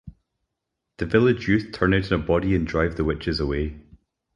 The village youth turn out in a body and drive the witches away.